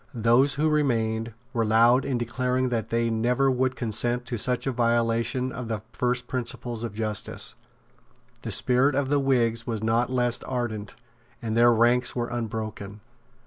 Those who remained were loud in declaring that they never would consent to such a violation of the first principles of justice. The spirit of the Whigs was not less ardent, and their ranks were unbroken.